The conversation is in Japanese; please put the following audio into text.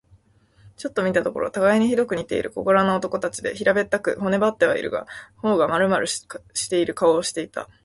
ちょっと見たところ、たがいにひどく似ている小柄な男たちで、平べったく、骨ばってはいるが、頬がまるまるしている顔をしていた。